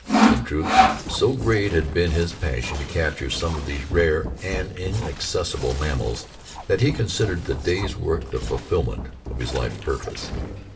In truth, so great had been his passion to capture some of these rare and inaccessible mammals, that he considered the day's world the fulfillment of his life's purpose.